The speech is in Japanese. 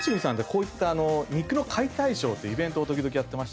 こういった肉の解体ショーってイベントを時々やってまして。